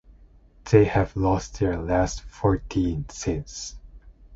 They have lost their last fourteen since.